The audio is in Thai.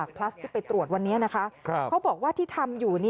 เขาบอกว่าที่ทำอยู่